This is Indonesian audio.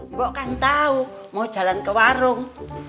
mbak kan tau mau jalan ke warung